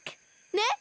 ねっ？